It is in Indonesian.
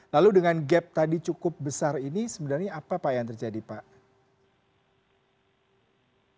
lalu dengan gap tadi cukup besar ini sebenarnya apa pak yang terjadi pak